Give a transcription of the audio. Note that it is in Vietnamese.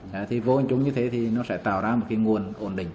vô hình chung như thế thì nó sẽ tạo ra một nguồn ổn định